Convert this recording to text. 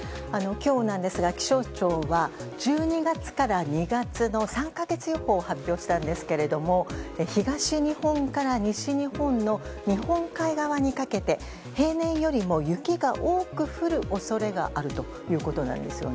今日ですが気象庁は１２月から２月の３か月予報を発表したんですが東日本から西日本の日本海側にかけて平年よりも雪が多く降る恐れがあるということです。